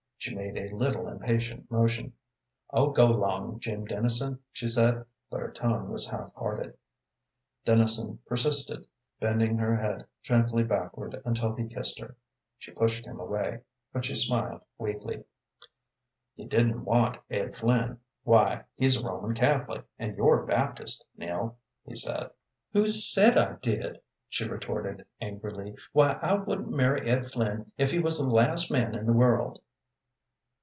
She made a little impatient motion. "Oh, go long, Jim Dennison," she said, but her tone was half hearted. Dennison persisted, bending her head gently backward until he kissed her. She pushed him away, but she smiled weakly. "You didn't want Ed Flynn. Why, he's a Roman Catholic, and you're Baptist, Nell," he said. "Who said I did?" she retorted, angrily. "Why, I wouldn't marry Ed Flynn if he was the last man in the world."